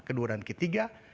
kedua dan ketiga